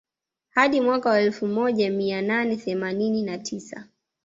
Hadi mwaka wa elfu moja mia nane themanini na tisa